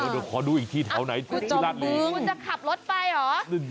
เดี๋ยวขอดูอีกทีแถวไหนที่ราชบุรีคุณจะขับรถไปเหรอ